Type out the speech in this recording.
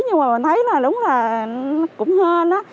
nhưng mà mình thấy nó đúng là cũng hên đó